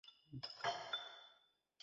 现在住在横滨市。